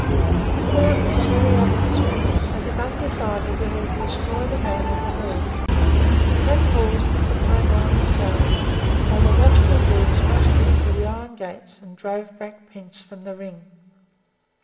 He paused in the very act of springing, as if undecided whether to destroy the man or the horse, and that pause put the tamer on his guard, while the watchful grooms rushed in through the iron gates and drove Black Prince from the ring.